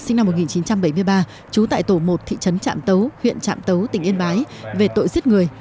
sinh năm một nghìn chín trăm bảy mươi ba trú tại tổ một thị trấn trạm tấu huyện trạm tấu tỉnh yên bái về tội giết người